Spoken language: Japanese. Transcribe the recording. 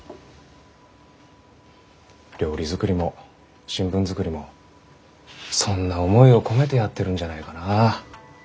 料理作りも新聞作りもそんな思いを込めてやってるんじゃないかな。